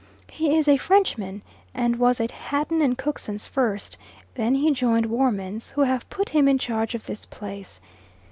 He is a Frenchman, and was at Hatton and Cookson's first, then he joined Woermann's, who have put him in charge of this place.